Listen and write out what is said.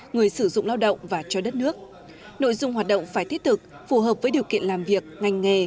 người sử dụng lao động và cho đất nước nội dung hoạt động phải thiết thực phù hợp với điều kiện làm việc ngành nghề